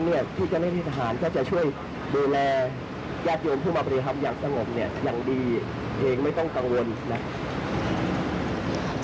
ที่จะให้ทหารก็จะช่วยดูแลแยกยนต์ผู้มาบริษัทอย่างสงบอย่างดีเองไม่ต้องกังวล